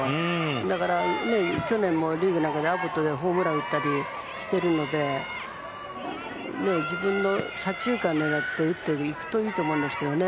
だから去年もリーグなんかでアボットからホームラン打ったりしているので左中間を狙って打っていくといいと思うんですけどね。